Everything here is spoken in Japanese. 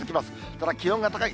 ただ気温が高い。